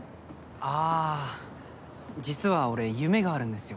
あぁ実は俺夢があるんですよ。